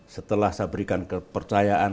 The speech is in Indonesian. setelah saya berikan kepercayaan